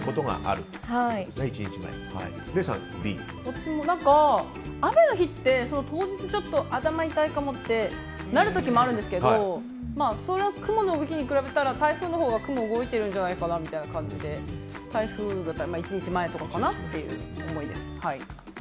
私も、雨の日ってその当日、ちょっと頭痛いかもってなる時もあるんですけどそれは雲の動きに比べたら台風のほうが雲が動いてるんじゃないかなみたいな感じで台風の１日前とかかなっていう思いです。